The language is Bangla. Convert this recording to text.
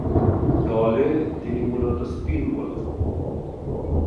দলে তিনি মূলতঃ স্পিন বোলার।